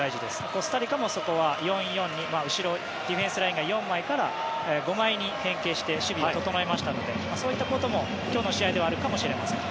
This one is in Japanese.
コスタリカもそこは４−４−２ディフェンスラインが４枚から５枚に変形して守備を整えましたのでそういったことも今日の試合ではあるかもしれません。